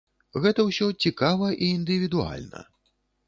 Гэта ўсё цікава і індывідуальна.